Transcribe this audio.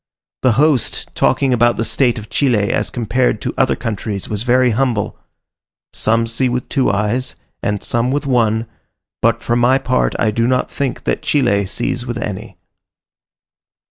The host, talking about the state of Chile as compared to other countries, was very humble: "Some see with two eyes, and some with one, but for my part I do not think that Chile sees with any."